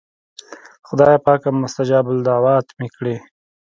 خدایه پاکه مستجاب الدعوات مې کړې.